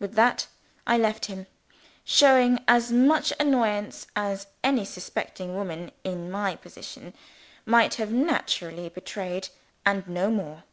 With that, I left him; showing just as much annoyance as an unsuspecting woman, in my position, might have naturally betrayed and no more.